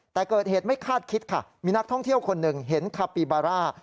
แต่เกิดเหตุไม่คาดคิดค่ะมีนักท่องเที่ยวคนหนึ่งเห็นคาปิบาร่า